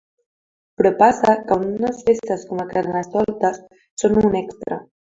Però passa que unes festes com el carnestoltes són un extra.